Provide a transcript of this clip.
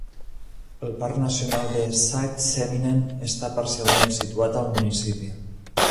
El Parc Nacional de Seitseminen està parcialment situat al municipi.